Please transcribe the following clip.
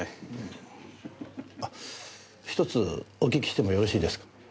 あっひとつお聞きしてもよろしいですか？